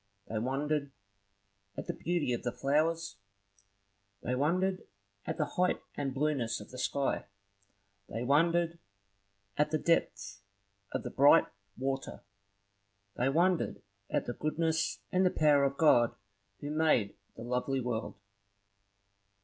They wondered at the beauty of the flowers; they wondered at the height and blueness of the sky; they wondered at the depth of the bright water; they wondered at the goodness and the power of God who made the lovely world.